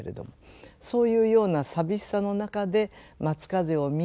そういうような寂しさの中で「松風」を見る。